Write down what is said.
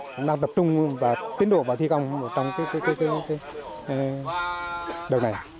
cũng đang tập trung và tiến đổi vào thi công trong cái đợt này